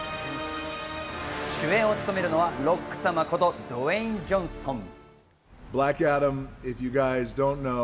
主演を務めるのはロック様こと、ドウェイン・ジョンソン。